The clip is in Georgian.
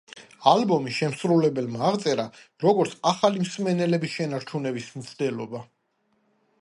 ალბომი შემსრულებელმა აღწერა, როგორც ახალი მსმენელების შენარჩუნების მცდელობა.